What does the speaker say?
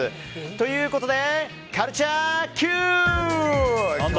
ということでカルチャーＱ！